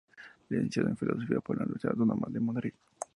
Licenciado en Filosofía por la Universidad Autónoma de Madrid.